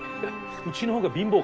うちの方が貧乏かもな。